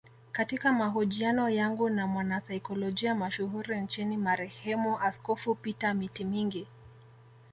Katika mahojiano yangu na mwanasaikolojia mashuhuri nchini marehemu askofu Peter Mitimingi